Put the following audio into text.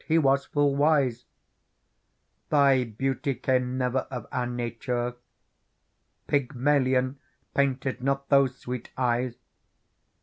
He was full wise ! Thy beauty came never of our nature ; Pygmalion painted not those swe/st eyes.